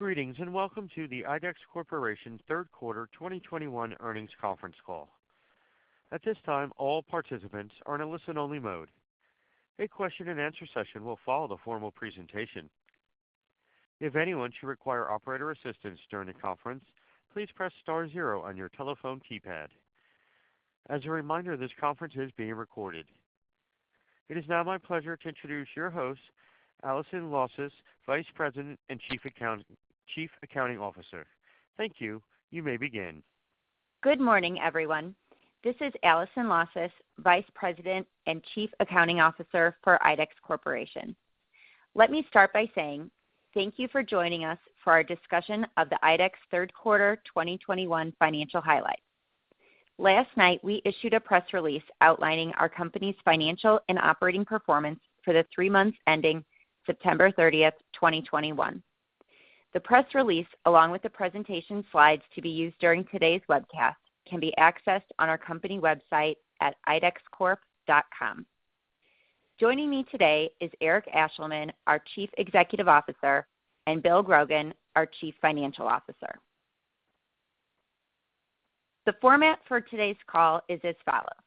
Greetings, and welcome to the IDEX Corporation's third quarter 2021 earnings conference call. At this time, all participants are in a listen-only mode. A question and answer session will follow the formal presentation. If anyone should require operator assistance during the conference, please press star zero on your telephone keypad. As a reminder, this conference is being recorded. It is now my pleasure to introduce your host, Allison L. Sasso, Vice President and Chief Accounting Officer. Thank you. You may begin. Good morning, everyone. This is Allison L. Sasso, Vice President and Chief Accounting Officer for IDEX Corporation. Let me start by saying thank you for joining us for our discussion of the IDEX third quarter 2021 financial highlights. Last night, we issued a press release outlining our company's financial and operating performance for the three months ending September 30th, 2021. The press release, along with the presentation slides to be used during today's webcast, can be accessed on our company website at idexcorp.com. Joining me today is Eric Ashleman, our Chief Executive Officer, and Bill Grogan, our Chief Financial Officer. The format for today's call is as follows.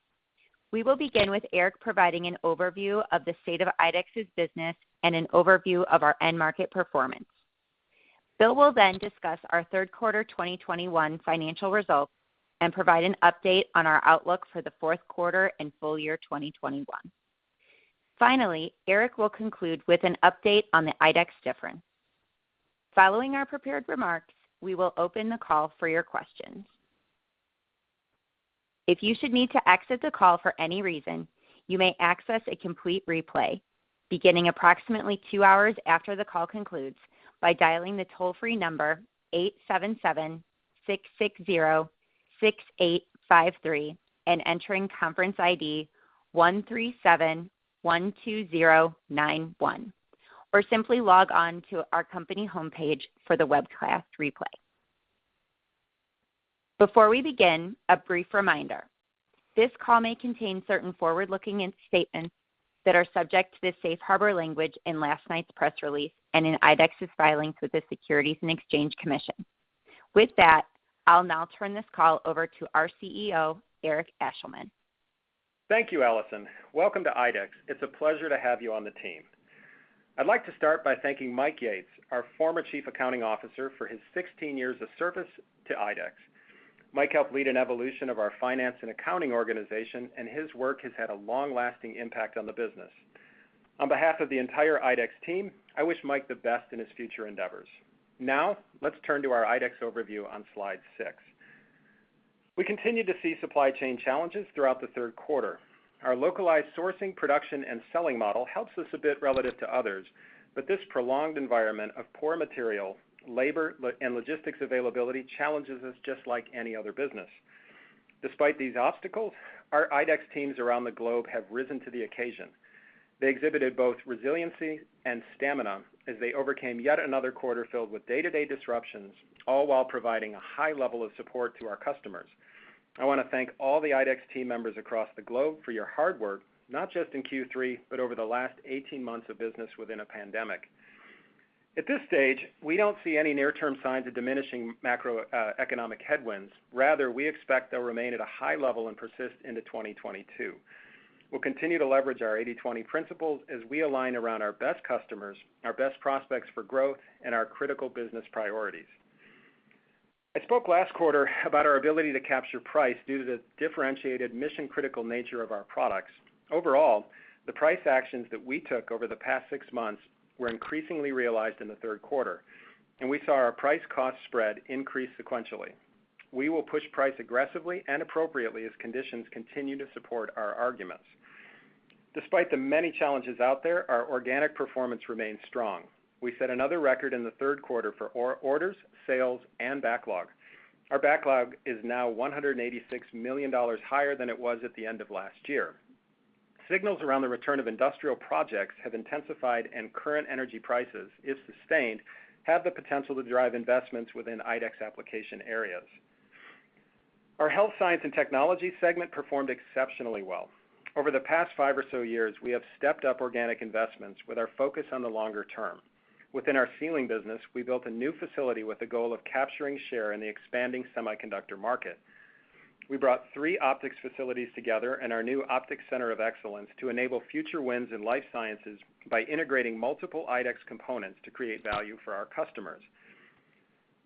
We will begin with Eric providing an overview of the state of IDEX's business and an overview of our end market performance. Bill will then discuss our third quarter 2021 financial results and provide an update on our outlook for the fourth quarter and full year 2021. Finally, Eric will conclude with an update on the IDEX difference. Following our prepared remarks, we will open the call for your questions. If you should need to exit the call for any reason, you may access a complete replay beginning approximately two hours after the call concludes by dialing the toll-free number 877-660-6853 and entering conference ID 13712091, or simply log on to our company homepage for the webcast replay. Before we begin, a brief reminder. This call may contain certain forward-looking statements that are subject to the safe harbor language in last night's press release and in IDEX's filings with the Securities and Exchange Commission. With that, I'll now turn this call over to our CEO, Eric Ashleman. Thank you, Allison. Welcome to IDEX. It's a pleasure to have you on the team. I'd like to start by thanking Mike Yates, our former Chief Accounting Officer, for his 16 years of service to IDEX. Mike helped lead an evolution of our finance and accounting organization, and his work has had a long-lasting impact on the business. On behalf of the entire IDEX team, I wish Mike the best in his future endeavors. Now, let's turn to our IDEX overview on slide 6. We continued to see supply chain challenges throughout the third quarter. Our localized sourcing, production, and selling model helps us a bit relative to others, but this prolonged environment of poor material, labor, and logistics availability challenges us just like any other business. Despite these obstacles, our IDEX teams around the globe have risen to the occasion. They exhibited both resiliency and stamina as they overcame yet another quarter filled with day-to-day disruptions, all while providing a high level of support to our customers. I want to thank all the IDEX team members across the globe for your hard work, not just in Q3, but over the last 18 months of business within a pandemic. At this stage, we don't see any near-term signs of diminishing macro economic headwinds. Rather, we expect they'll remain at a high level and persist into 2022. We'll continue to leverage our 80/20 principles as we align around our best customers, our best prospects for growth, and our critical business priorities. I spoke last quarter about our ability to capture price due to the differentiated mission-critical nature of our products. Overall, the price actions that we took over the past six months were increasingly realized in the third quarter, and we saw our price-cost spread increase sequentially. We will push price aggressively and appropriately as conditions continue to support our arguments. Despite the many challenges out there, our organic performance remains strong. We set another record in the third quarter for orders, sales, and backlog. Our backlog is now $186 million higher than it was at the end of last year. Signals around the return of industrial projects have intensified, and current energy prices, if sustained, have the potential to drive investments within IDEX application areas. Our Health & Science Technologies segment performed exceptionally well. Over the past five or so years, we have stepped up organic investments with our focus on the longer term. Within our sealing business, we built a new facility with the goal of capturing share in the expanding semiconductor market. We brought three optics facilities together in our new Optics Center of Excellence to enable future wins in life sciences by integrating multiple IDEX components to create value for our customers.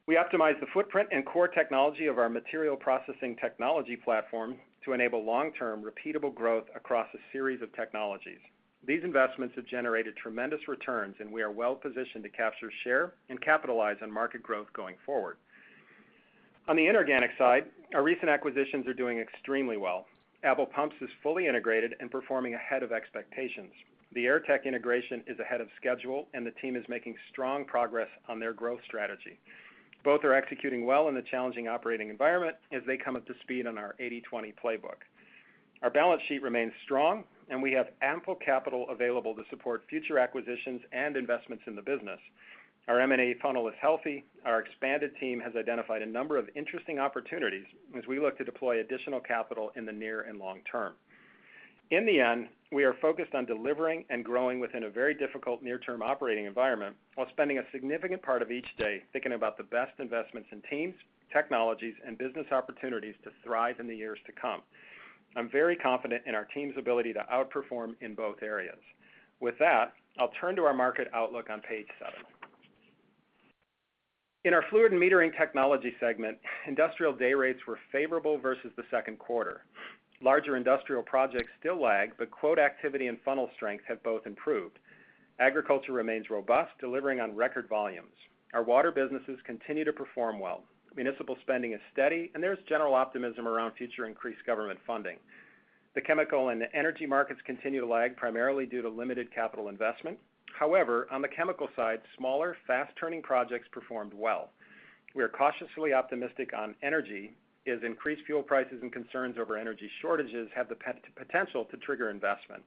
We optimized the footprint and core technology of our material processing technology platform to enable long-term repeatable growth across a series of technologies. These investments have generated tremendous returns, and we are well-positioned to capture share and capitalize on market growth going forward. On the inorganic side, our recent acquisitions are doing extremely well. Abel Pumps is fully integrated and performing ahead of expectations. The Airtech integration is ahead of schedule, and the team is making strong progress on their growth strategy. Both are executing well in the challenging operating environment as they come up to speed on our 80/20 playbook. Our balance sheet remains strong, and we have ample capital available to support future acquisitions and investments in the business. Our M&A funnel is healthy. Our expanded team has identified a number of interesting opportunities as we look to deploy additional capital in the near and long term. In the end, we are focused on delivering and growing within a very difficult near-term operating environment while spending a significant part of each day thinking about the best investments in teams, technologies, and business opportunities to thrive in the years to come. I'm very confident in our team's ability to outperform in both areas. With that, I'll turn to our market outlook on page 7. In our Fluid & Metering Technologies segment, industrial day rates were favorable versus the second quarter. Larger industrial projects still lag, but quote activity and funnel strength have both improved. Agriculture remains robust, delivering on record volumes. Our water businesses continue to perform well. Municipal spending is steady, and there's general optimism around future increased government funding. The chemical and energy markets continue to lag primarily due to limited capital investment. However, on the chemical side, smaller, fast-turning projects performed well. We are cautiously optimistic on energy as increased fuel prices and concerns over energy shortages have the potential to trigger investment.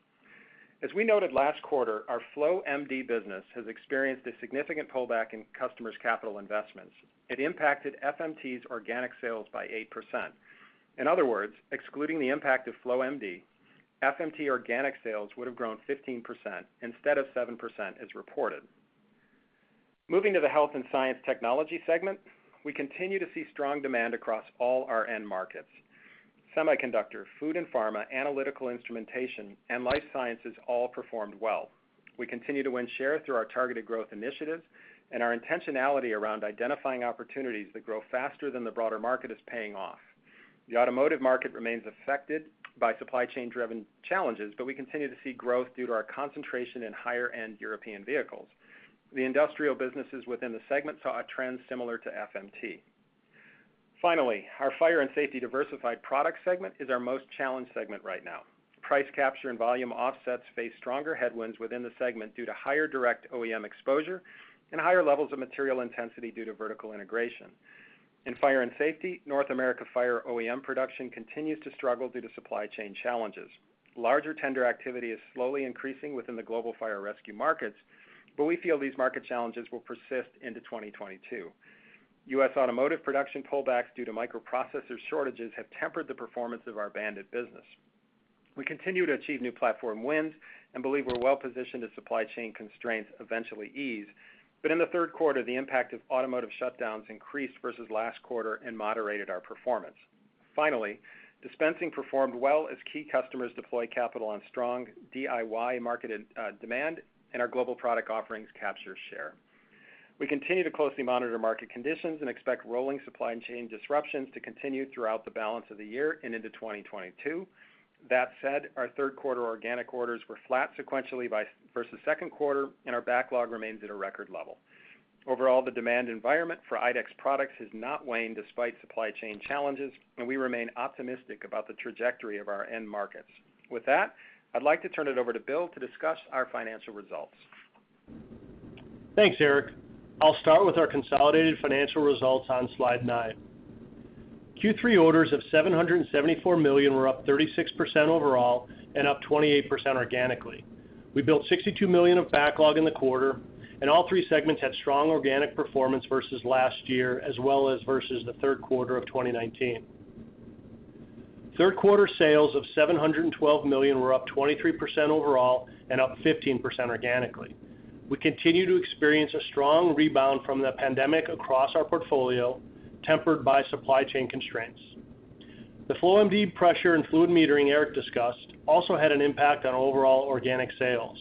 As we noted last quarter, our Flow MD business has experienced a significant pullback in customers' capital investments. It impacted FMT's organic sales by 8%. In other words, excluding the impact of Flow MD, FMT organic sales would have grown 15% instead of 7% as reported. Moving to the Health & Science Technologies segment, we continue to see strong demand across all our end markets. Semiconductor, food and pharma, analytical instrumentation, and life sciences all performed well. We continue to win share through our targeted growth initiatives, and our intentionality around identifying opportunities that grow faster than the broader market is paying off. The automotive market remains affected by supply chain-driven challenges, but we continue to see growth due to our concentration in higher-end European vehicles. The industrial businesses within the segment saw a trend similar to FMT. Finally, our Fire & Safety/Diversified Products segment is our most challenged segment right now. Price capture and volume offsets face stronger headwinds within the segment due to higher direct OEM exposure and higher levels of material intensity due to vertical integration. In Fire & Safety, North American fire OEM production continues to struggle due to supply chain challenges. Larger tender activity is slowly increasing within the global fire and rescue markets, but we feel these market challenges will persist into 2022. U.S. automotive production pullbacks due to microprocessor shortages have tempered the performance of our BAND-IT business. We continue to achieve new platform wins and believe we're well-positioned as supply chain constraints eventually ease. In the third quarter, the impact of automotive shutdowns increased versus last quarter and moderated our performance. Finally, dispensing performed well as key customers deploy capital on strong DIY market demand and our global product offerings capture share. We continue to closely monitor market conditions and expect rolling supply chain disruptions to continue throughout the balance of the year and into 2022. That said, our third quarter organic orders were flat sequentially versus second quarter, and our backlog remains at a record level. Overall, the demand environment for IDEX products has not waned despite supply chain challenges, and we remain optimistic about the trajectory of our end markets. With that, I'd like to turn it over to Bill to discuss our financial results. Thanks, Eric. I'll start with our consolidated financial results on slide 9. Q3 orders of $774 million were up 36% overall and up 28% organically. We built $62 million of backlog in the quarter, and all three segments had strong organic performance versus last year as well as versus the third quarter of 2019. Third quarter sales of $712 million were up 23% overall and up 15% organically. We continue to experience a strong rebound from the pandemic across our portfolio, tempered by supply chain constraints. The Flow MD pressure and fluid metering Eric discussed also had an impact on overall organic sales.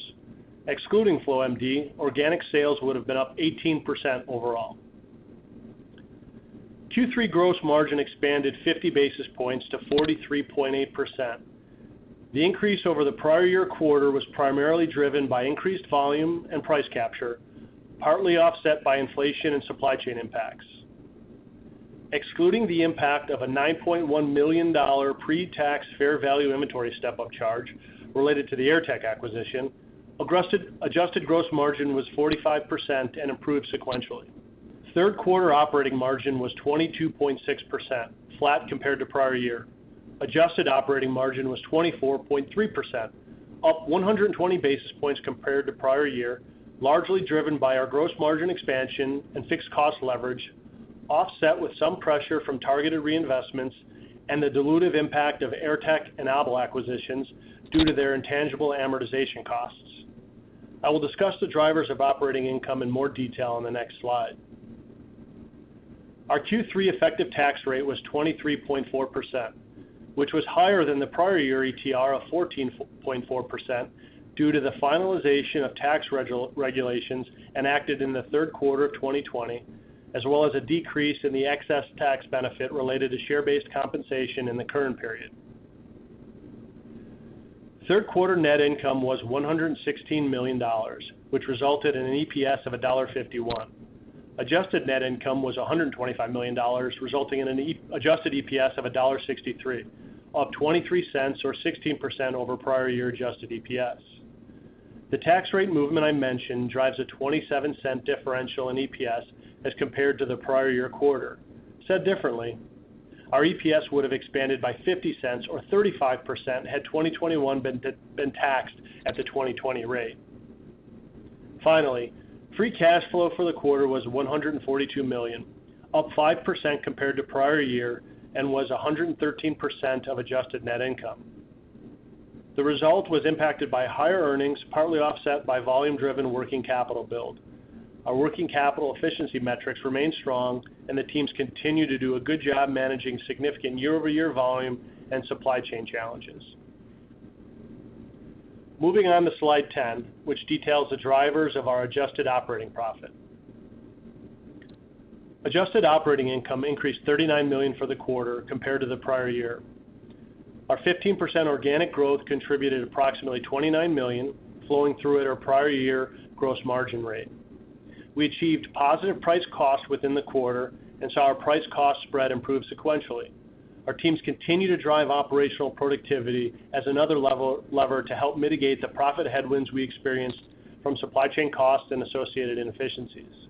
Excluding Flow MD, organic sales would have been up 18% overall. Q3 gross margin expanded 50 basis points to 43.8%. The increase over the prior year quarter was primarily driven by increased volume and price capture, partly offset by inflation and supply chain impacts. Excluding the impact of a $9.1 million pre-tax fair value inventory step-up charge related to the Airtech acquisition, adjusted gross margin was 45% and improved sequentially. Third quarter operating margin was 22.6%, flat compared to prior year. Adjusted operating margin was 24.3%, up 120 basis points compared to prior year, largely driven by our gross margin expansion and fixed cost leverage, offset with some pressure from targeted reinvestments and the dilutive impact of Airtech and Abel acquisitions due to their intangible amortization costs. I will discuss the drivers of operating income in more detail on the next slide. Our Q3 effective tax rate was 23.4%, which was higher than the prior year ETR of 14.4% due to the finalization of tax regulations enacted in the third quarter of 2020, as well as a decrease in the excess tax benefit related to share-based compensation in the current period. Third quarter net income was $116 million, which resulted in an EPS of $1.51. Adjusted net income was $125 million, resulting in an adjusted EPS of $1.63, up 23 cents or 16% over prior year adjusted EPS. The tax rate movement I mentioned drives a 27-cent differential in EPS as compared to the prior year quarter. Said differently, our EPS would have expanded by $0.50 or 35% had 2021 been taxed at the 2020 rate. Free cash flow for the quarter was $142 million, up 5% compared to prior year and was 113% of adjusted net income. The result was impacted by higher earnings, partly offset by volume-driven working capital build. Our working capital efficiency metrics remain strong, and the teams continue to do a good job managing significant year-over-year volume and supply chain challenges. Moving on to slide 10, which details the drivers of our adjusted operating profit. Adjusted operating income increased $39 million for the quarter compared to the prior year. Our 15% organic growth contributed approximately $29 million flowing through at our prior year gross margin rate. We achieved positive price/cost within the quarter and saw our price/cost spread improve sequentially. Our teams continue to drive operational productivity as another level to help mitigate the profit headwinds we experienced from supply chain costs and associated inefficiencies.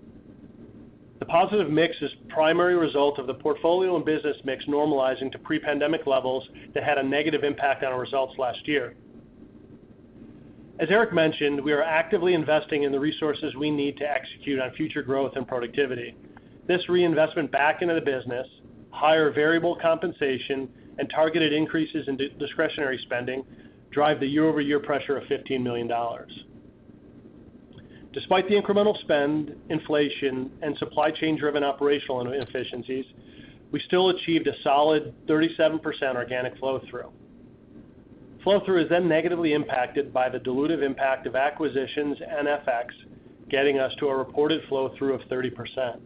The positive mix is primary result of the portfolio and business mix normalizing to pre-pandemic levels that had a negative impact on our results last year. As Eric mentioned, we are actively investing in the resources we need to execute on future growth and productivity. This reinvestment back into the business, higher variable compensation and targeted increases in discretionary spending drive the year-over-year pressure of $15 million. Despite the incremental spend, inflation and supply chain driven operational inefficiencies, we still achieved a solid 37% organic flow-through. Flow-through is then negatively impacted by the dilutive impact of acquisitions and FX getting us to a reported flow-through of 30%.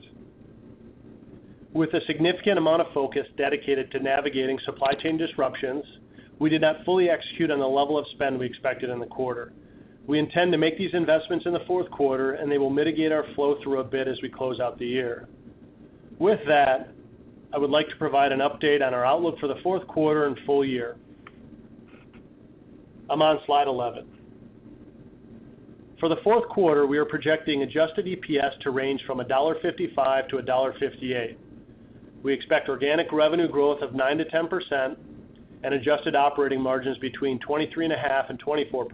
With a significant amount of focus dedicated to navigating supply chain disruptions, we did not fully execute on the level of spend we expected in the quarter. We intend to make these investments in the fourth quarter, and they will mitigate our flow-through a bit as we close out the year. With that, I would like to provide an update on our outlook for the fourth quarter and full year. I'm on slide 11. For the fourth quarter, we are projecting adjusted EPS to range from $1.55-$1.58. We expect organic revenue growth of 9%-10% and adjusted operating margins between 23.5% and 24%.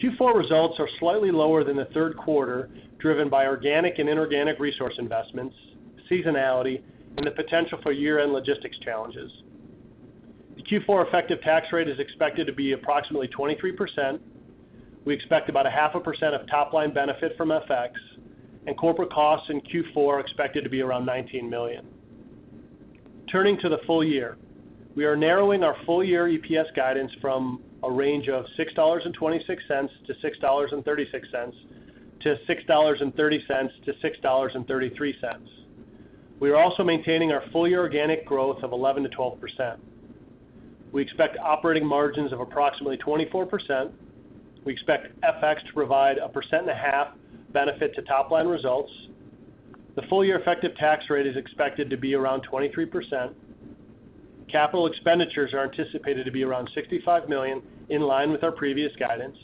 Q4 results are slightly lower than the third quarter, driven by organic and inorganic resource investments, seasonality and the potential for year-end logistics challenges. The Q4 effective tax rate is expected to be approximately 23%. We expect about 0.5% top line benefit from FX and corporate costs in Q4 are expected to be around $19 million. Turning to the full year, we are narrowing our full year EPS guidance from a range of $6.26- $6.36 to $6.30-$6.33. We are also maintaining our full year organic growth of 11%-12%. We expect operating margins of approximately 24%. We expect FX to provide 1.5% benefit to top line results. The full year effective tax rate is expected to be around 23%. Capital expenditures are anticipated to be around $65 million in line with our previous guidance.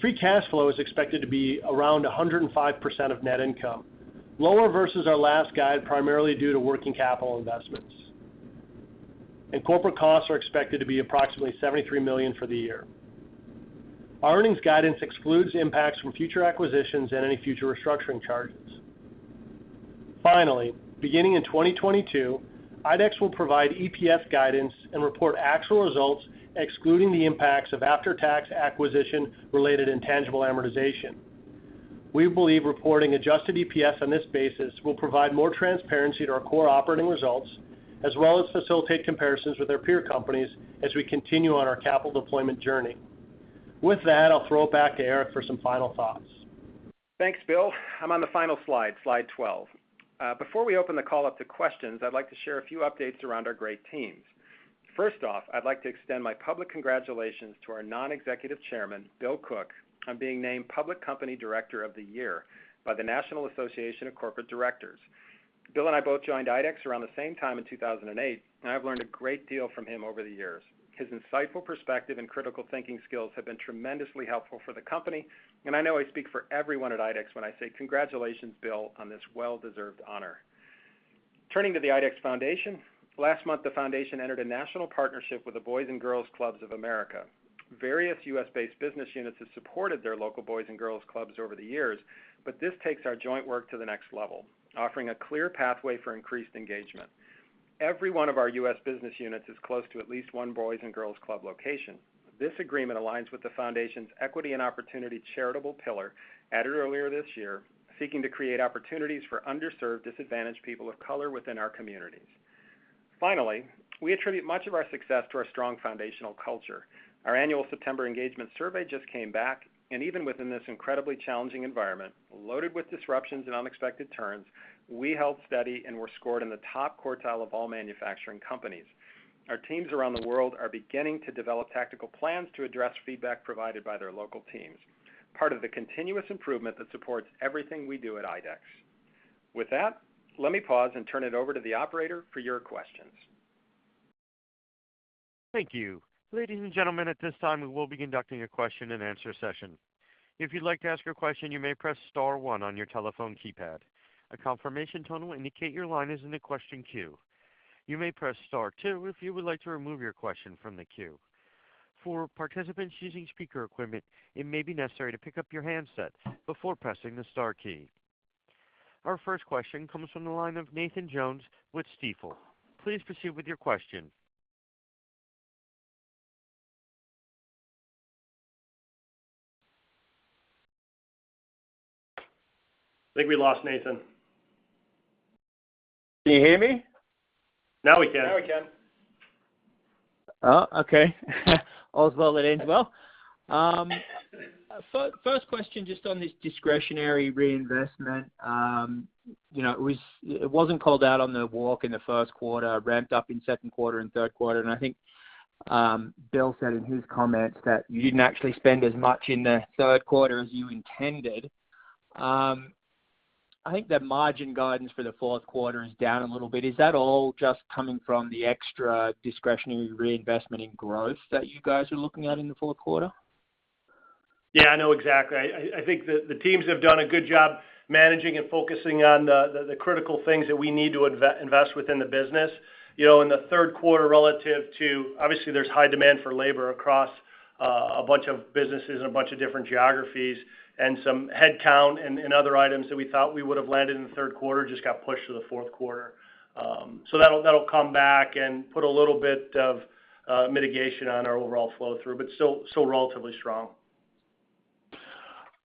Free cash flow is expected to be around 105% of net income, lower versus our last guide, primarily due to working capital investments. Corporate costs are expected to be approximately $73 million for the year. Our earnings guidance excludes impacts from future acquisitions and any future restructuring charges. Finally, beginning in 2022, IDEX will provide EPS guidance and report actual results, excluding the impacts of after-tax acquisition related intangible amortization. We believe reporting adjusted EPS on this basis will provide more transparency to our core operating results, as well as facilitate comparisons with our peer companies as we continue on our capital deployment journey. With that, I'll throw it back to Eric for some final thoughts. Thanks, Bill. I'm on the final slide. Slide 12. Before we open the call up to questions, I'd like to share a few updates around our great teams. First off, I'd like to extend my public congratulations to our Non-Executive Chairman, Bill Cook, on being named Public Company Director of the Year by the National Association of Corporate Directors. Bill and I both joined IDEX around the same time in 2008, and I've learned a great deal from him over the years. His insightful perspective and critical thinking skills have been tremendously helpful for the company, and I know I speak for everyone at IDEX when I say congratulations, Bill, on this well-deserved honor. Turning to the IDEX Foundation, last month, the foundation entered a national partnership with the Boys & Girls Clubs of America. Various U.S.-based business units have supported their local Boys and Girls Clubs over the years, but this takes our joint work to the next level, offering a clear pathway for increased engagement. Every one of our U.S. business units is close to at least one Boys and Girls Club location. This agreement aligns with the foundation's equity and opportunity charitable pillar added earlier this year, seeking to create opportunities for underserved, disadvantaged people of color within our communities. Finally, we attribute much of our success to our strong foundational culture. Our annual September engagement survey just came back, and even within this incredibly challenging environment, loaded with disruptions and unexpected turns, we held steady and were scored in the top quartile of all manufacturing companies. Our teams around the world are beginning to develop tactical plans to address feedback provided by their local teams, part of the continuous improvement that supports everything we do at IDEX. With that, let me pause and turn it over to the operator for your questions. Thank you. Ladies and gentlemen, at this time, we will be conducting a question and answer session. If you'd like to ask your question, you may press star one on your telephone keypad. A confirmation tone will indicate your line is in the question queue. You may press star two if you would like to remove your question from the queue. For participants using speaker equipment, it may be necessary to pick up your handset before pressing the star key. Our first question comes from the line of Nathan Jones with Stifel. Please proceed with your question. I think we lost Nathan. Can you hear me? Now we can. Now we can. Oh, okay. All's well that ends well. First question just on this discretionary reinvestment. You know, it wasn't called out on the walk in the first quarter, ramped up in second quarter and third quarter. I think Bill said in his comments that you didn't actually spend as much in the third quarter as you intended. I think the margin guidance for the fourth quarter is down a little bit. Is that all just coming from the extra discretionary reinvestment in growth that you guys are looking at in the fourth quarter? Yeah, I know exactly. I think the teams have done a good job managing and focusing on the critical things that we need to invest within the business. In the third quarter relative to, obviously, there's high demand for labor across a bunch of businesses and a bunch of different geographies and some headcount and other items that we thought we would have landed in the third quarter just got pushed to the fourth quarter. That'll come back and put a little bit of mitigation on our overall flow-through, but still relatively strong.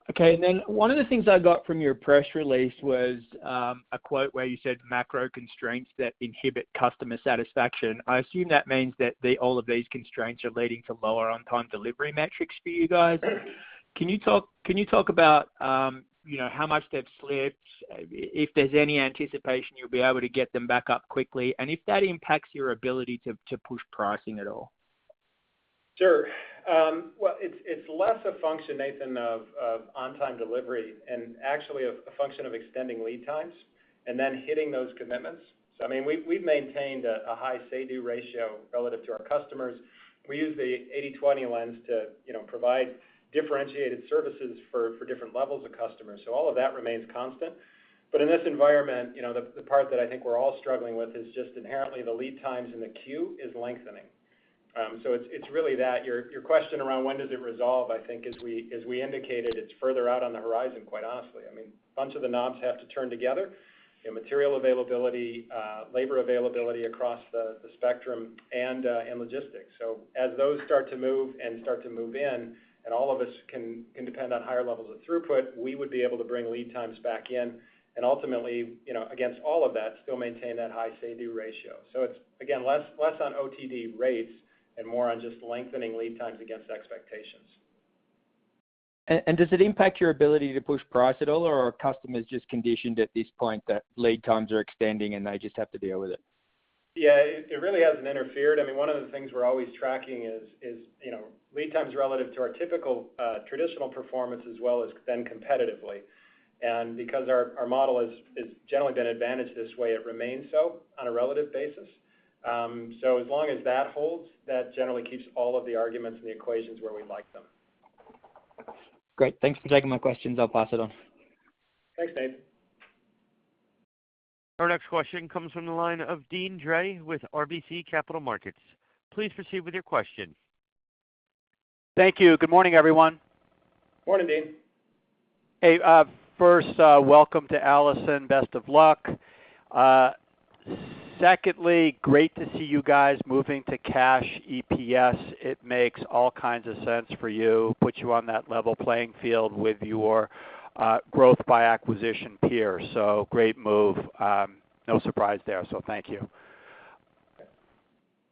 Okay. One of the things I got from your press release was a quote where you said macro constraints that inhibit customer satisfaction. I assume that means that all of these constraints are leading to lower on-time delivery metrics for you guys. Can you talk about, how much they've slipped, if there's any anticipation you'll be able to get them back up quickly, and if that impacts your ability to push pricing at all? Sure. Well, it's less a function, Nathan, of on-time delivery and actually a function of extending lead times and then hitting those commitments. I mean, we've maintained a high say-do ratio relative to our customers. We use the 80/20 lens to, provide differentiated services for different levels of customers. All of that remains constant. In this environment, the part that I think we're all struggling with is just inherently the lead times in the queue is lengthening. It's really that. Your question around when does it resolve, I think, as we indicated, it's further out on the horizon, quite honestly. A bunch of the knobs have to turn together, you know, material availability, labor availability across the spectrum and logistics. As those start to move in, and all of us can depend on higher levels of throughput, we would be able to bring lead times back in, and ultimately, you know, against all of that, still maintain that high say-do ratio. It's again, less on OTD rates and more on just lengthening lead times against expectations. does it impact your ability to push price at all, or are customers just conditioned at this point that lead times are extending, and they just have to deal with it? Yeah, it really hasn't interfered. I mean, one of the things we're always tracking, lead times relative to our typical traditional performance as well as then competitively. Because our model has generally been advantaged this way, it remains so on a relative basis. As long as that holds, that generally keeps all of the arguments and the equations where we like them. Great. Thanks for taking my questions. I'll pass it on. Thanks, Nate. Our next question comes from the line of Deane Dray with RBC Capital Markets. Please proceed with your question. Thank you. Good morning, everyone. Morning, Dean. Hey, first, welcome to Allison. Best of luck. Secondly, great to see you guys moving to cash EPS. It makes all kinds of sense for you, puts you on that level playing field with your growth by acquisition peers. Great move. No surprise there. Thank you.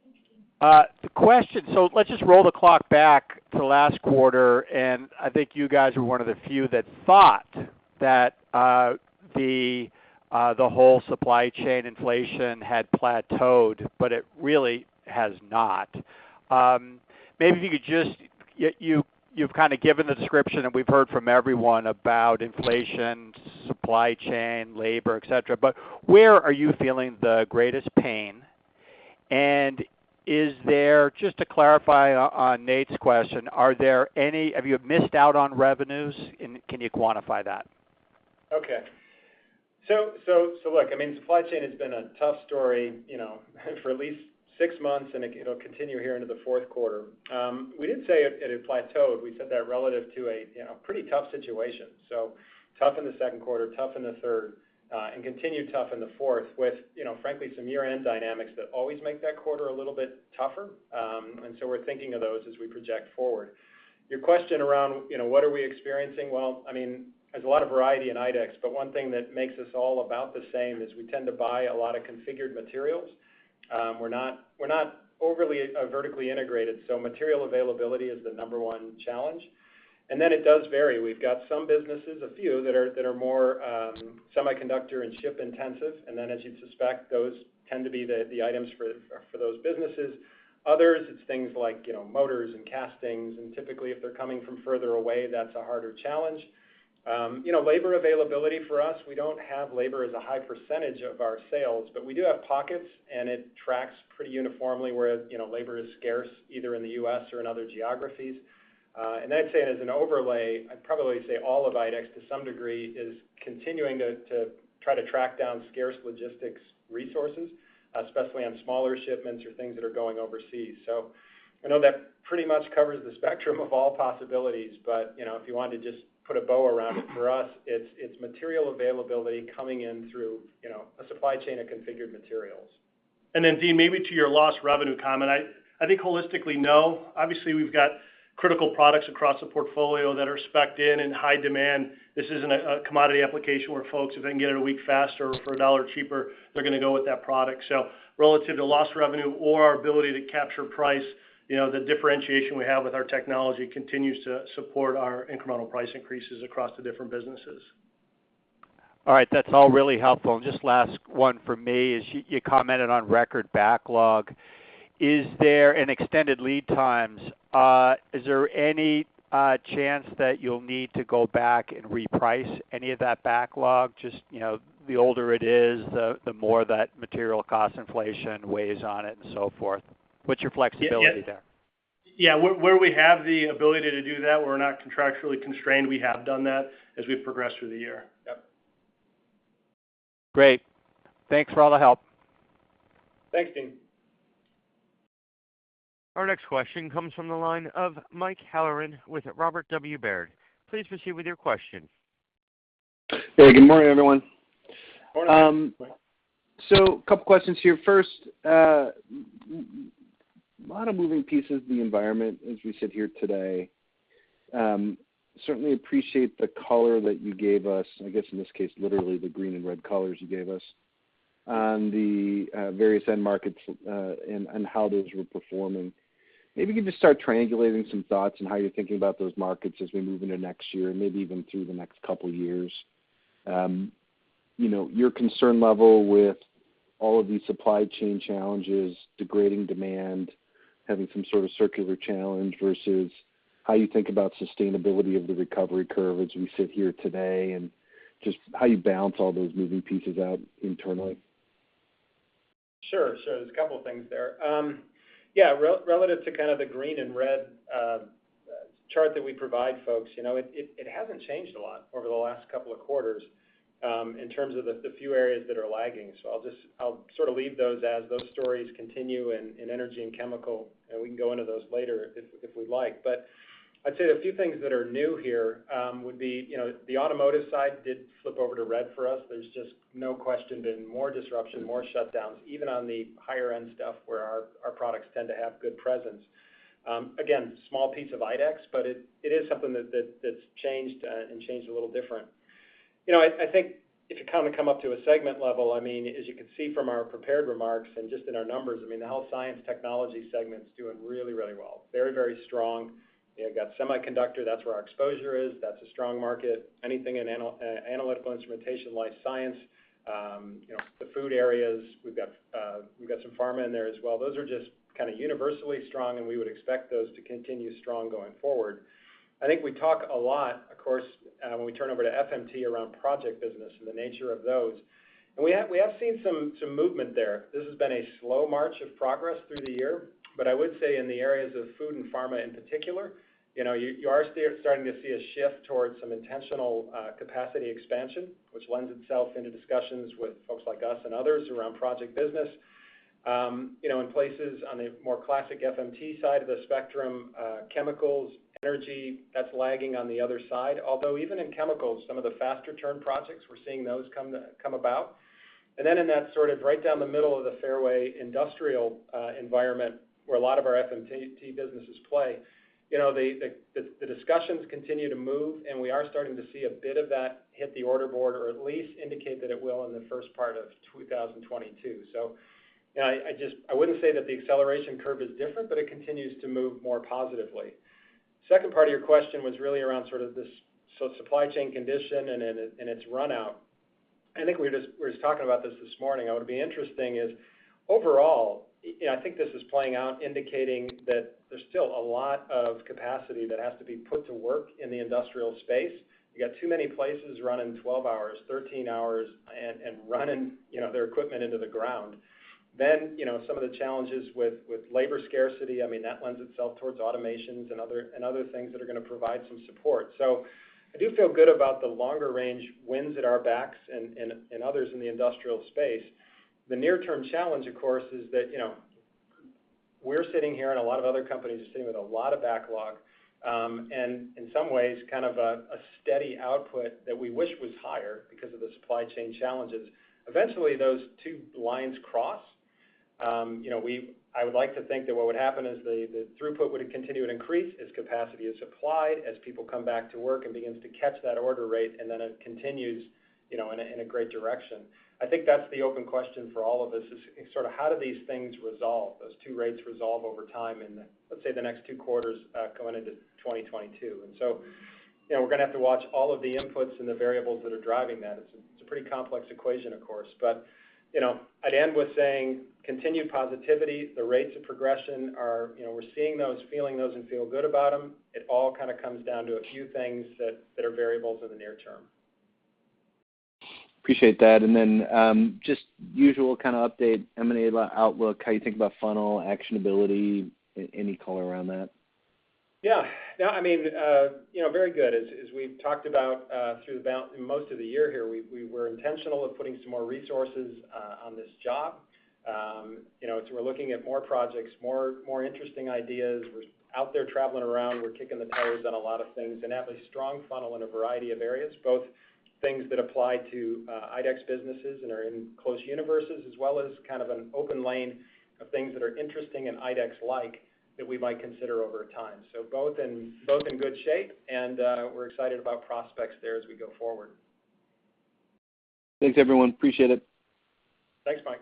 Thank you, Deane. Let's just roll the clock back to last quarter, and I think you guys were one of the few that thought that the whole supply chain inflation had plateaued, but it really has not. Maybe you've kind of given the description, and we've heard from everyone about inflation, supply chain, labor, et cetera. But where are you feeling the greatest pain? Just to clarify on Nate's question, have you missed out on revenues? Can you quantify that? Okay. Look, I mean, supply chain has been a tough story, for at least six months, and it'll continue here into the fourth quarter. We didn't say it had plateaued. We said that relative to, you know, a pretty tough situation. Tough in the second quarter, tough in the third, and continue tough in the fourth with, frankly, some year-end dynamics that always make that quarter a little bit tougher. We're thinking of those as we project forward. Your question around, what are we experiencing? Well, I mean, there's a lot of variety in IDEX, but one thing that makes us all about the same is we tend to buy a lot of configured materials. We're not overly vertically integrated, so material availability is the number one challenge. It does vary. We've got some businesses, a few that are more semiconductor and chip intensive, and as you'd suspect, those tend to be the items for those businesses. Others, it's things like, motors and castings, and typically, if they're coming from further away, that's a harder challenge, labor availability for us, we don't have labor as a high percentage of our sales, but we do have pockets, and it tracks pretty uniformly where, labor is scarce, either in the U.S. or in other geographies. I'd say as an overlay, I'd probably say all of IDEX, to some degree, is continuing to try to track down scarce logistics resources, especially on smaller shipments or things that are going overseas. I know that pretty much covers the spectrum of all possibilities, but, if you want to just put a bow around it, for us, it's material availability coming in through, you know, a supply chain of configured materials. Dean, maybe to your lost revenue comment. I think holistically, no. Obviously, we've got critical products across the portfolio that are spec'd in high demand. This isn't a commodity application where folks, if they can get it a week faster or for a dollar cheaper, they're gonna go with that product. Relative to lost revenue or our ability to capture price, you know, the differentiation we have with our technology continues to support our incremental price increases across the different businesses. All right. That's all really helpful. Just last one from me is you commented on record backlog. Is there an extended lead times? Is there any chance that you'll need to go back and reprice any of that backlog? Just, the older it is, the more that material cost inflation weighs on it and so forth. What's your flexibility there? Yeah. Where we have the ability to do that, we're not contractually constrained, we have done that as we progress through the year. Yep. Great. Thanks for all the help. Thanks, Deane. Our next question comes from the line of Mike Halloran with Robert W. Baird. Please proceed with your question. Hey, good morning, everyone. Morning. A couple questions here. First, a lot of moving pieces of the environment as we sit here today. Certainly appreciate the color that you gave us, I guess in this case, literally the green and red colors you gave us on the various end markets, and how those were performing. Maybe you can just start triangulating some thoughts on how you're thinking about those markets as we move into next year and maybe even through the next couple years. You know, your concern level with all of these supply chain challenges, degrading demand, having some sort of circular challenge versus how you think about sustainability of the recovery curve as we sit here today, and just how you balance all those moving pieces out internally. Sure. There's a couple things there. Relative to kind of the green and red chart that we provide folks, you know, it hasn't changed a lot over the last couple of quarters, in terms of the few areas that are lagging. I'll just leave those as those stories continue in energy and chemical, and we can go into those later if we'd like. I'd say a few things that are new here, would be, the automotive side did flip over to red for us. There's just no question there's been more disruption, more shutdowns, even on the higher end stuff where our products tend to have good presence. Again, small piece of IDEX, but it is something that that's changed, and changed a little different. I think if you come up to a segment level, I mean, as you can see from our prepared remarks and just in our numbers, I mean, the Health & Science Technologies segment's doing really, really well. Very, very strong. You know, got semiconductor, that's where our exposure is. That's a strong market. Anything in analytical instrumentation, life science, the food areas, we've got, we've got some pharma in there as well. Those are just kind of universally strong, and we would expect those to continue strong going forward. I think we talk a lot, of course, when we turn over to FMT around project business and the nature of those. We have seen some movement there. This has been a slow march of progress through the year, but I would say in the areas of food and pharma in particular, you know, you are starting to see a shift towards some intentional capacity expansion, which lends itself into discussions with folks like us and others around project business. In places on the more classic FMT side of the spectrum, chemicals, energy, that's lagging on the other side. Although even in chemicals, some of the faster turn projects, we're seeing those come about. Then in that right down the middle of the fairway industrial environment where a lot of our FMT businesses play, the discussions continue to move, and we are starting to see a bit of that hit the order board or at least indicate that it will in the first part of 2022. You know, I just. I wouldn't say that the acceleration curve is different, but it continues to move more positively. Second part of your question was really around sort of this sort of supply chain condition and its run out. I think we were just talking about this this morning. What would be interesting is overall, you know, I think this is playing out indicating that there's still a lot of capacity that has to be put to work in the industrial space. You got too many places running 12 hours, 13 hours, and running, their equipment into the ground. Some of the challenges with labor scarcity, I mean, that lends itself towards automations and other things that are gonna provide some support. I do feel good about the longer range wins at our backs and others in the industrial space. The near term challenge, of course, is that, we're sitting here and a lot of other companies are sitting with a lot of backlog, and in some ways kind of a steady output that we wish was higher because of the supply chain challenges. Eventually, those two lines cross. I would like to think that what would happen is the throughput would continue to increase as capacity is supplied, as people come back to work and begins to catch that order rate, and then it continues, in a great direction. I think that's the open question for all of us is sort of how do these things resolve, those two rates resolve over time, let's say, the next two quarters, going into 2022. You know, we're gonna have to watch all of the inputs and the variables that are driving that. It's a pretty complex equation, of course. I'd end with saying continued positivity. The rates of progression are, you know, we're seeing those, feeling those, and feel good about them. It all kind of comes down to a few things that are variables in the near term. Appreciate that. Just usual kind of update, M&A outlook, how you think about funnel, actionability, any color around that? Yeah. No. I mean, very good. As we've talked about, throughout most of the year here, we were intentional about putting some more resources on this job. You know, we're looking at more projects, more interesting ideas. We're out there traveling around. We're kicking the tires on a lot of things and have a strong funnel in a variety of areas, both things that apply to IDEX businesses and are in close universes as well as kind of an open lane of things that are interesting and IDEX-like that we might consider over time. Both in good shape, and we're excited about prospects there as we go forward. Thanks everyone. Appreciate it. Thanks, Mike.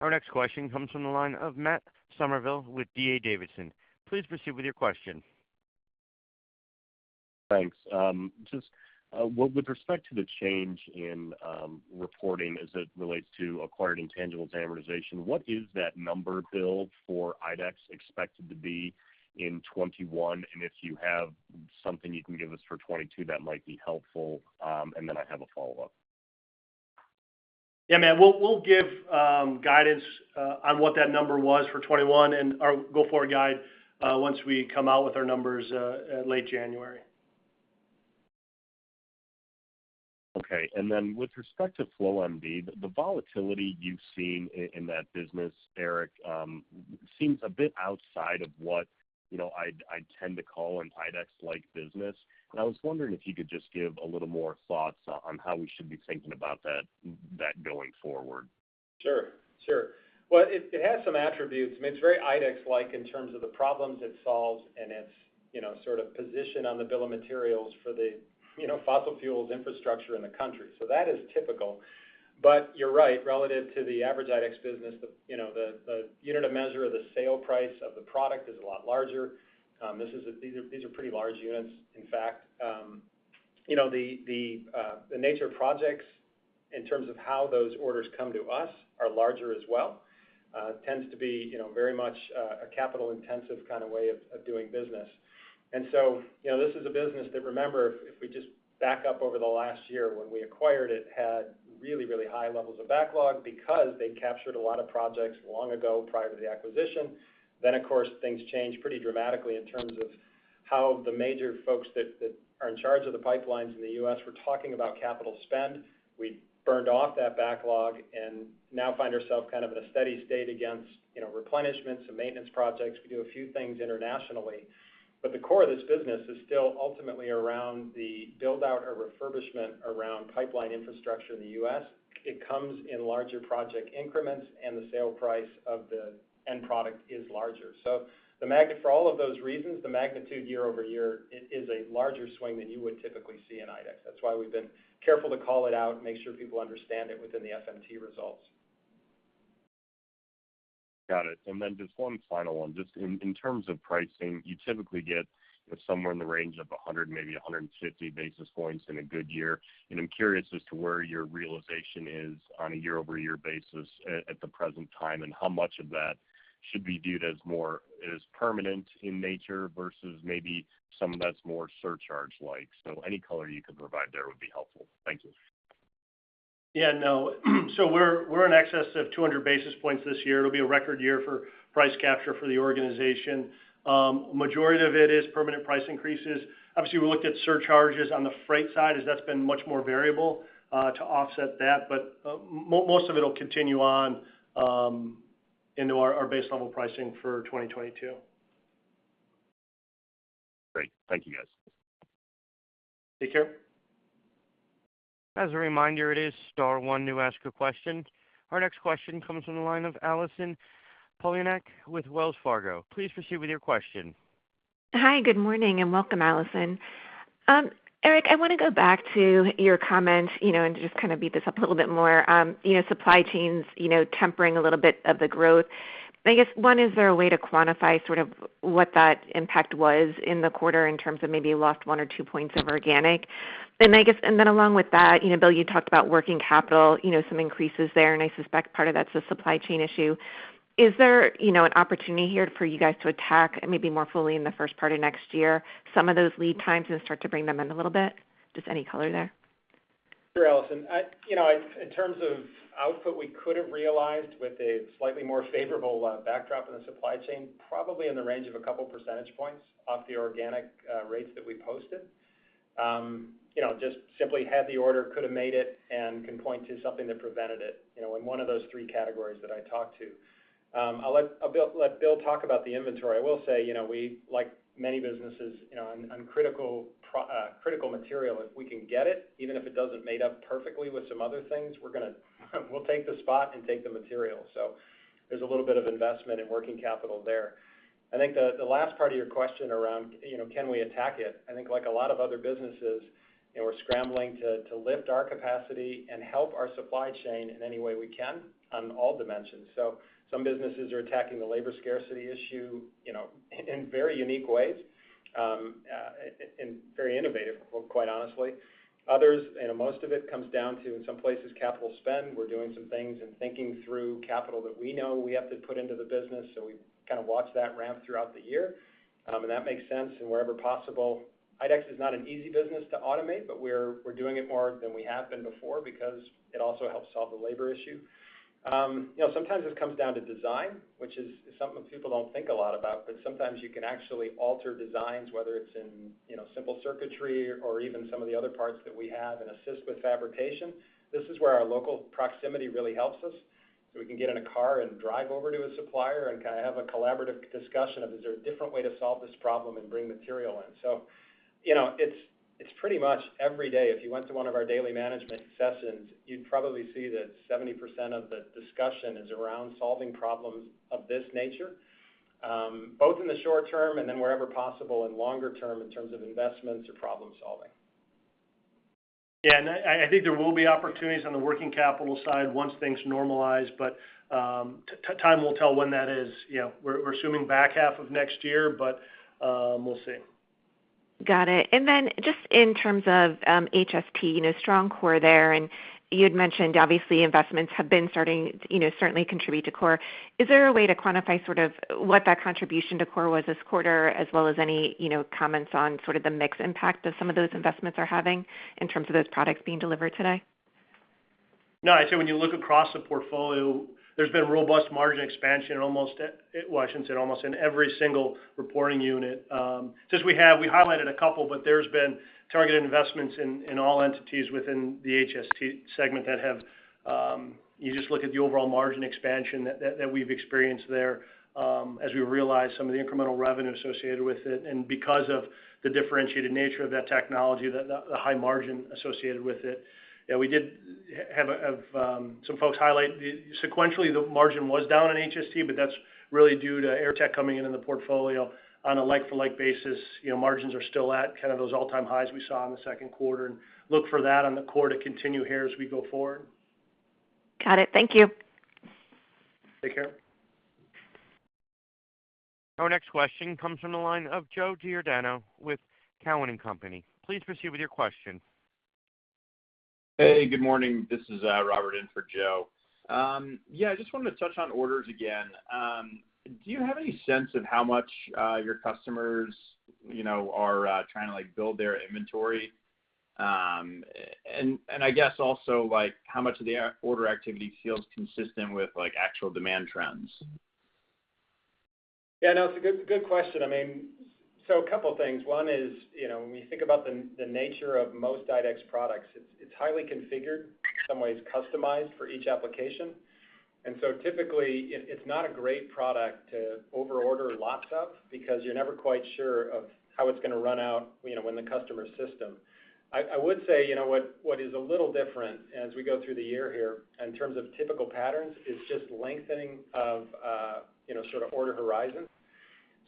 Our next question comes from the line of Matt Summerville with D.A. Davidson. Please proceed with your question. Thanks. Just with respect to the change in reporting as it relates to acquired intangibles amortization, what is that number, Bill, for IDEX expected to be in 2021? If you have something you can give us for 2022, that might be helpful. Then I have a follow-up. Yeah, Matt, we'll give guidance on what that number was for 2021 and our go-forward guide once we come out with our numbers late January. Okay. With respect to Flow MD, the volatility you've seen in that business, Eric, seems a bit outside of what, I tend to call an IDEX-like business. I was wondering if you could just give a little more thoughts on how we should be thinking about that going forward. Sure. Well, it has some attributes. I mean, it's very IDEX-like in terms of the problems it solves and its, you know, sort of position on the bill of materials for the, you know, fossil fuels infrastructure in the country. That is typical. You're right, relative to the average IDEX business, the unit of measure or the sale price of the product is a lot larger. These are pretty large units, in fact. The nature of projects in terms of how those orders come to us are larger as well. It tends to be, you know, very much a capital-intensive kind of way of doing business. You know, this is a business that, remember, if we just back up over the last year when we acquired it, had really, really high levels of backlog because they captured a lot of projects long ago prior to the acquisition. Then, of course, things changed pretty dramatically in terms of how the major folks that are in charge of the pipelines in the U.S. were talking about capital spend. We burned off that backlog and now find ourselves kind of in a steady state against, you know, replenishments and maintenance projects. We do a few things internationally. The core of this business is still ultimately around the build out or refurbishment around pipeline infrastructure in the U.S. It comes in larger project increments, and the sale price of the end product is larger. For all of those reasons, the magnitude year-over-year is a larger swing than you would typically see in IDEX. That's why we've been careful to call it out and make sure people understand it within the FMT results. Got it. Then just one final one. Just in terms of pricing, you typically get somewhere in the range of 100-150 basis points in a good year. I'm curious as to where your realization is on a year-over-year basis at the present time, and how much of that should be viewed as more permanent in nature versus maybe some that's more surcharge-like. Any color you could provide there would be helpful. Thank you. Yeah, no. We're in excess of 200 basis points this year. It'll be a record year for price capture for the organization. Majority of it is permanent price increases. Obviously, we looked at surcharges on the freight side, as that's been much more variable to offset that. Most of it'll continue on into our base level pricing for 2022. Great. Thank you, guys. Take care. As a reminder, it is star one to ask a question. Our next question comes from the line of Allison Poliniak with Wells Fargo. Please proceed with your question. Hi, good morning, and welcome, Allison. Eric, I wanna go back to your comment, and just kind of beat this up a little bit more. You know, supply chains tempering a little bit of the growth. I guess one, is there a way to quantify sort of what that impact was in the quarter in terms of maybe you lost one or two points of organic? Then I guess along with that, you know, Bill, you talked about working capital, you know, some increases there, and I suspect part of that's a supply chain issue. Is there an opportunity here for you guys to attack maybe more fully in the first part of next year some of those lead times and start to bring them in a little bit? Just any color there. Sure, Allison. You know, in terms of output, we could have realized with a slightly more favorable backdrop in the supply chain, probably in the range of a couple percentage points off the organic rates that we posted. If we just simply had the order, we could have made it and can point to something that prevented it, you know, in one of those three categories that I talked about. I'll let Bill talk about the inventory. I will say, you know, we, like many businesses, on critical material, if we can get it, even if it doesn't match up perfectly with some other things, we're gonna take the spot and take the material. There's a little bit of investment in working capital there. I think the last part of your question around, can we attack it? I think like a lot of other businesses, we're scrambling to lift our capacity and help our supply chain in any way we can on all dimensions. Some businesses are attacking the labor scarcity issue, in very unique ways and very innovative, quite honestly. Others and most of it comes down to, in some places, capital spend. We're doing some things and thinking through capital that we know we have to put into the business, so we kind of watch that ramp throughout the year. That makes sense and wherever possible. IDEX is not an easy business to automate, but we're doing it more than we have been before because it also helps solve the labor issue. Sometimes this comes down to design, which is something people don't think a lot about, but sometimes you can actually alter designs, whether it's in, you know, simple circuitry or even some of the other parts that we have and assist with fabrication. This is where our local proximity really helps us. We can get in a car and drive over to a supplier and kind of have a collaborative discussion of, is there a different way to solve this problem and bring material in? It's pretty much every day. If you went to one of our daily management sessions, you'd probably see that 70% of the discussion is around solving problems of this nature, both in the short term and then wherever possible in longer term in terms of investments or problem-solving. Yeah. I think there will be opportunities on the working capital side once things normalize, but time will tell when that is. We're assuming back half of next year, but we'll see. Got it. Just in terms of HST, you know, strong core there, and you had mentioned obviously investments have been starting to, you know, certainly contribute to core. Is there a way to quantify sort of what that contribution to core was this quarter, as well as any, you know, comments on sort of the mix impact that some of those investments are having in terms of those products being delivered today? No. I'd say when you look across the portfolio, there's been robust margin expansion in almost, well, I shouldn't say almost, in every single reporting unit. Since we highlighted a couple, but there's been targeted investments in all entities within the HST segment that have. You just look at the overall margin expansion that we've experienced there, as we realize some of the incremental revenue associated with it. Because of the differentiated nature of that technology, the high margin associated with it, yeah, we did have some folks highlight sequentially the margin was down in HST, but that's really due to Airtech coming into the portfolio on a like-for-like basis. You know, margins are still at kind of those all-time highs we saw in the second quarter, and look for that on the core to continue here as we go forward. Got it. Thank you. Take care. Our next question comes from the line of Joseph Giordano with Cowen and Company. Please proceed with your question. Hey, good morning. This is Robert in for Joe. Yeah, I just wanted to touch on orders again. Do you have any sense of how much your customers, are trying to, like, build their inventory? And I guess also, like how much of the order activity feels consistent with like actual demand trends? Yeah, no, it's a good question. I mean, so a couple things. One is, when we think about the nature of most IDEX products, it's highly configured, in some ways customized for each application. Typically it's not a great product to overorder lots of, because you're never quite sure of how it's gonna run out, in the customer's system. I would say, you know, what is a little different as we go through the year here in terms of typical patterns is just lengthening of order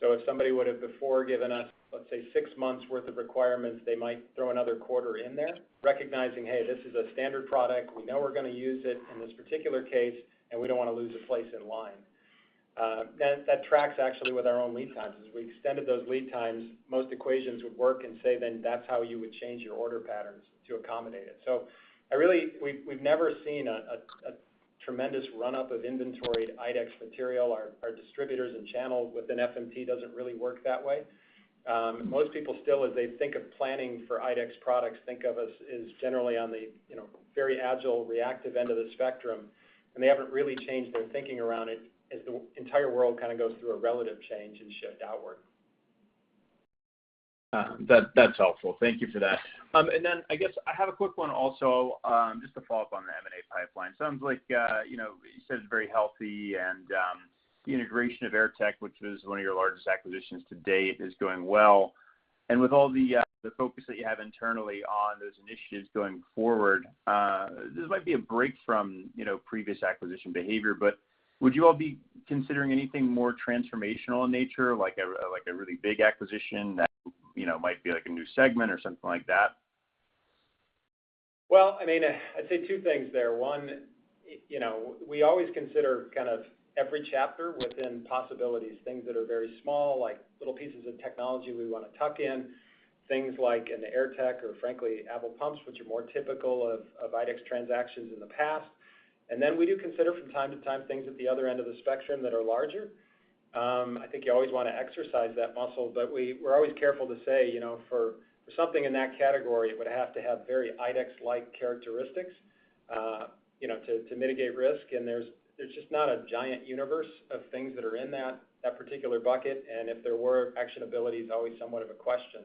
horizon. If somebody would've before given us, let's say, six months worth of requirements, they might throw another quarter in there, recognizing, hey, this is a standard product. We know we're gonna use it in this particular case, and we don't wanna lose a place in line. That tracks actually with our own lead times. As we extended those lead times, most equations would work and say then that's how you would change your order patterns to accommodate it. I really, we've never seen a tremendous runup of inventoried IDEX material. Our distributors and channels within FMT doesn't really work that way. Most people still, as they think of planning for IDEX products, think of us as generally on the, you know, very agile, reactive end of the spectrum, and they haven't really changed their thinking around it as the entire world kind of goes through a relative change and shift outward. That's helpful. Thank you for that. I guess I have a quick one also, just to follow up on the M&A pipeline. Sounds like, you know, you said it's very healthy and the integration of Airtech, which was one of your largest acquisitions to date, is going well. With all the focus that you have internally on those initiatives going forward, this might be a break from, you know, previous acquisition behavior, but would you all be considering anything more transformational in nature, like a really big acquisition that, you know, might be like a new segment or something like that? Well, I mean, I'd say two things there. One, you know, we always consider every chapter within possibilities, things that are very small, like little pieces of technology we wanna tuck in, things like in the Airtech or frankly Abel Pumps, which are more typical of IDEX transactions in the past. Then we do consider from time to time things at the other end of the spectrum that are larger. I think you always wanna exercise that muscle, but we're always careful to say, you know, for something in that category, it would have to have very IDEX-like characteristics, to mitigate risk. There's just not a giant universe of things that are in that particular bucket. If there were, actionability is always somewhat of a question.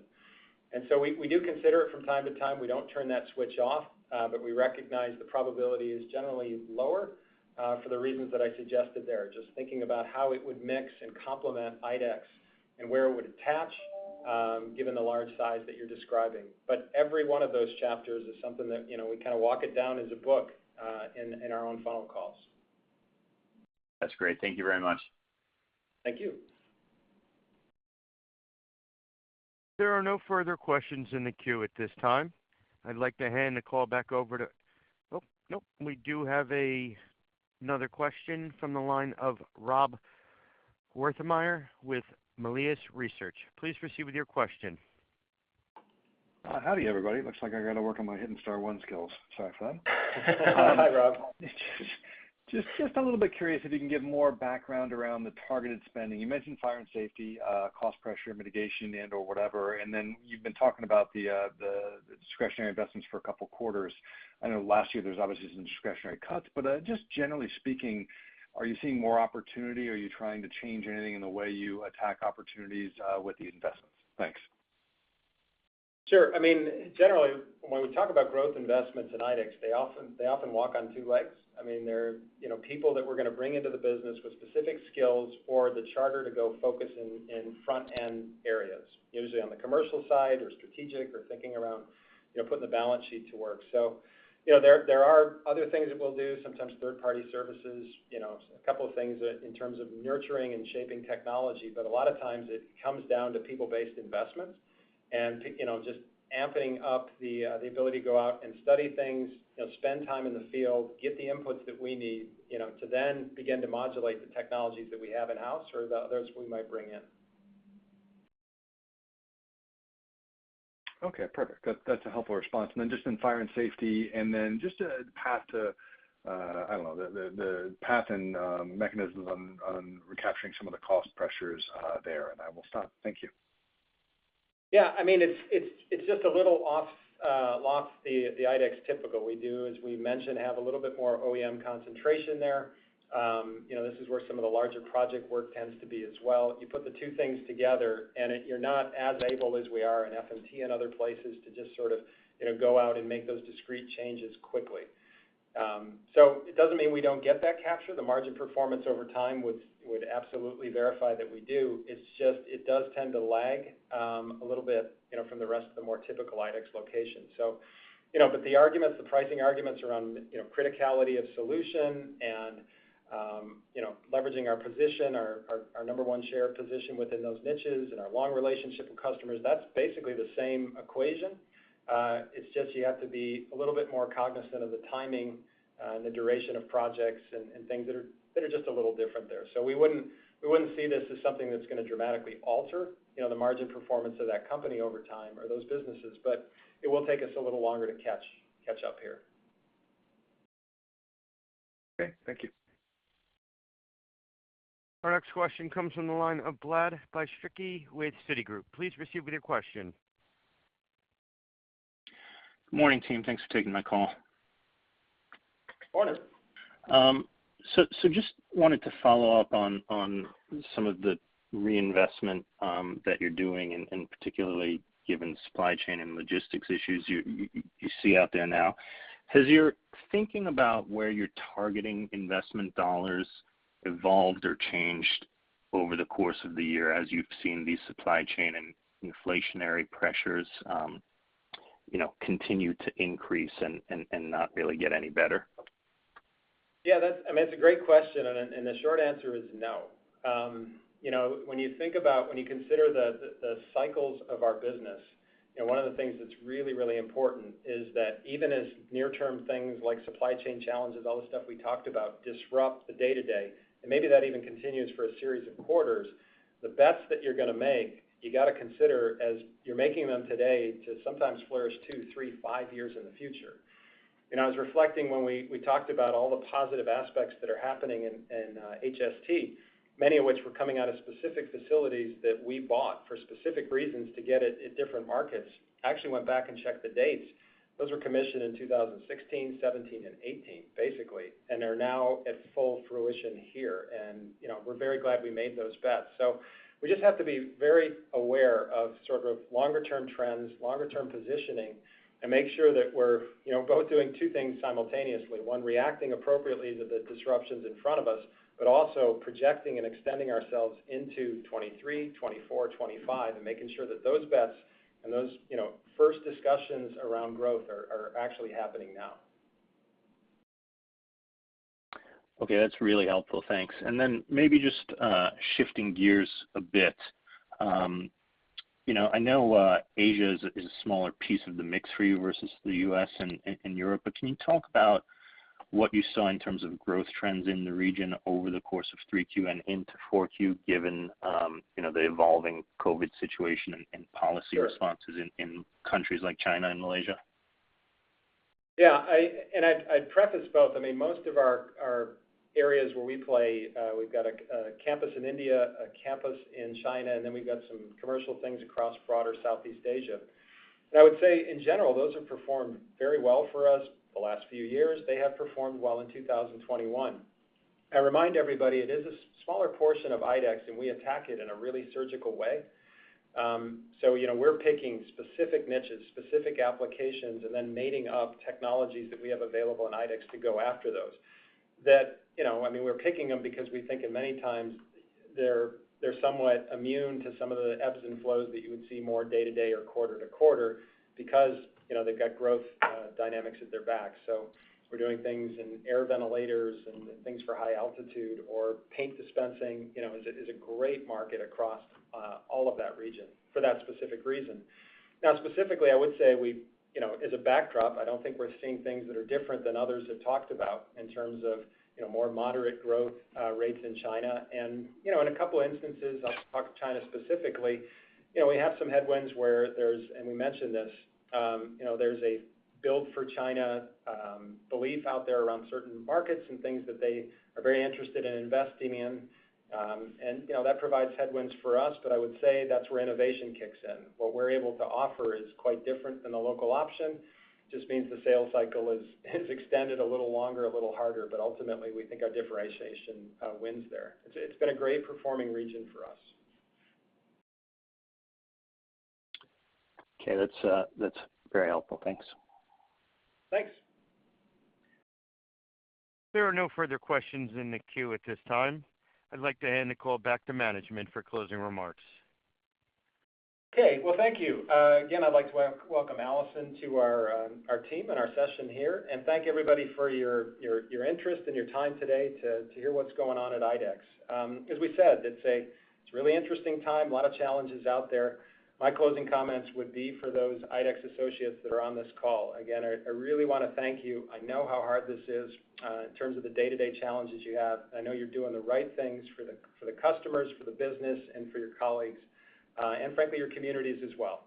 We do consider it from time to time. We don't turn that switch off, but we recognize the probability is generally lower for the reasons that I suggested there, just thinking about how it would mix and complement IDEX and where it would attach, given the large size that you're describing. Every one of those chapters is something that, you know, we kind of walk it down as a book in our own phone calls. That's great. Thank you very much. Thank you. There are no further questions in the queue at this time. Oh, nope. We do have another question from the line of Rob Wertheimer with Melius Research. Please proceed with your question. Howdy, everybody. Looks like I got to work on my hittin' star one skills. Sorry for that. Hi, Rob. Just a little bit curious if you can give more background around the targeted spending. You mentioned Fire and Safety, cost pressure mitigation and/or whatever, and then you've been talking about the discretionary investments for a couple quarters. I know last year there's obviously some discretionary cuts, but just generally speaking, are you seeing more opportunity? Are you trying to change anything in the way you attack opportunities with the investments? Thanks. Sure. I mean, generally, when we talk about growth investments in IDEX, they often walk on two legs. I mean, they're, people that we're gonna bring into the business with specific skills or the charter to go focus in front-end areas, usually on the commercial side or strategic or thinking around, you know, putting the balance sheet to work. You know, there are other things that we'll do, sometimes third-party services, you know, a couple of things that in terms of nurturing and shaping technology, but a lot of times it comes down to people-based investments. Just amping up the ability to go out and study things, you know, spend time in the field, get the inputs that we need, you know, to then begin to modulate the technologies that we have in-house or the others we might bring in. Okay, perfect. That's a helpful response. Then just in Fire and Safety, then just a path to, I don't know, the path and mechanisms on recapturing some of the cost pressures there, and I will stop. Thank you. Yeah. I mean, it's just a little off the IDEX typical. We do, as we mentioned, have a little bit more OEM concentration there. You know, this is where some of the larger project work tends to be as well. You put the two things together, and you're not as able as we are in FMT and other places to just sort of, you know, go out and make those discrete changes quickly. It doesn't mean we don't get that capture. The margin performance over time would absolutely verify that we do. It's just, it does tend to lag a little bit, you know, from the rest of the more typical IDEX location. But the arguments, the pricing arguments around criticality of solution and leveraging our position, our number one share position within those niches and our long relationship with customers, that's basically the same equation. It's just you have to be a little bit more cognizant of the timing, the duration of projects and things that are just a little different there. We wouldn't see this as something that's gonna dramatically alter the margin performance of that company over time or those businesses, but it will take us a little longer to catch up here. Okay, thank you. Our next question comes from the line of Vlad Bystricky with Citigroup. Please proceed with your question. Good morning, team. Thanks for taking my call. Morning. Just wanted to follow up on some of the reinvestment that you're doing, and particularly given supply chain and logistics issues you see out there now. Has your thinking about where you're targeting investment dollars evolved or changed over the course of the year as you've seen these supply chain and inflationary pressures, you know, continue to increase and not really get any better? Yeah, that's I mean, that's a great question, and the short answer is no. When you consider the cycles of our business, you know, one of the things that's really important is that even as near-term things like supply chain challenges, all the stuff we talked about, disrupt the day-to-day, and maybe that even continues for a series of quarters, the bets that you're gonna make, you gotta consider as you're making them today to sometimes flourish two, three, five years in the future. You know, I was reflecting when we talked about all the positive aspects that are happening in HST, many of which were coming out of specific facilities that we bought for specific reasons to get into different markets. I actually went back and checked the dates. Those were commissioned in 2016, 2017, and 2018, basically, and they're now at full fruition here. We're very glad we made those bets. We just have to be very aware of sort of longer term trends, longer term positioning, and make sure that we're, both doing two things simultaneously. One, reacting appropriately to the disruptions in front of us, but also projecting and extending ourselves into 2023, 2024, 2025 and making sure that those bets and those, you know, first discussions around growth are actually happening now. Okay. That's really helpful. Thanks. Maybe just shifting gears a bit. I know Asia is a smaller piece of the mix for you versus the U.S. and Europe, but can you talk about what you saw in terms of growth trends in the region over the course of Q3 and into Q4 given you know the evolving COVID situation and policy responses in countries like China and Malaysia? Yeah. I'd preface both. I mean, most of our areas where we play, we've got a campus in India, a campus in China, and then we've got some commercial things across broader Southeast Asia. I would say in general, those have performed very well for us the last few years. They have performed well in 2021. I remind everybody it is a smaller portion of IDEX, and we attack it in a really surgical way. We're picking specific niches, specific applications, and then mating up technologies that we have available in IDEX to go after those. That, you know. I mean, we're picking them because we think in many times they're somewhat immune to some of the ebbs and flows that you would see more day to day or quarter to quarter because, they've got growth dynamics at their back.we're doing things in air ventilators and things for high altitude or paint dispensing, you know, is a great market across all of that region for that specific reason. Now, specifically, I would say we. You know, as a backdrop, I don't think we're seeing things that are different than others have talked about in terms of, more moderate growth rates in China. You know, in a couple instances, I'll talk about China specifically. You know, we have some headwinds where there's We mentioned this, you know, there's a bull for China belief out there around certain markets and things that they are very interested in investing in. That provides headwinds for us, but I would say that's where innovation kicks in. What we're able to offer is quite different than the local option. It just means the sales cycle is extended a little longer, a little harder, but ultimately we think our differentiation wins there. It's been a great performing region for us. Okay. That's very helpful. Thanks. Thanks. There are no further questions in the queue at this time. I'd like to hand the call back to management for closing remarks. Okay. Well, thank you. Again, I'd like to welcome Allison to our team and our session here, and thank everybody for your interest and your time today to hear what's going on at IDEX. As we said, it's a really interesting time. A lot of challenges out there. My closing comments would be for those IDEX associates that are on this call. Again, I really wanna thank you. I know how hard this is, in terms of the day-to-day challenges you have. I know you're doing the right things for the customers, for the business, and for your colleagues, and frankly, your communities as well.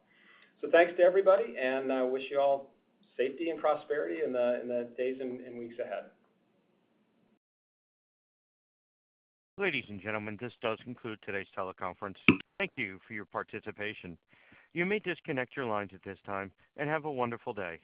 Thanks to everybody, and I wish you all safety and prosperity in the days and weeks ahead. Ladies and gentlemen, this does conclude today's teleconference. Thank you for your participation. You may disconnect your lines at this time, and have a wonderful day.